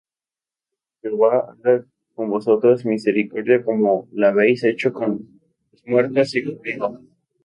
Jehová haga con vosotras misericordia, como la habéis hecho con los muertos y conmigo.